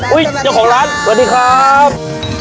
เจ้าของร้านสวัสดีครับ